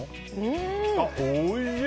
あ、おいしい！